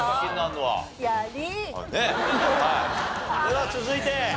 では続いて。